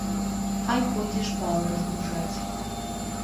Хай пойдзе шпалы разгружаць.